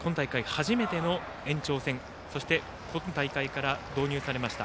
初めての延長戦そして今大会から導入されました